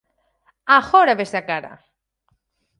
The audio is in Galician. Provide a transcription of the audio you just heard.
"Agora vese a cara!"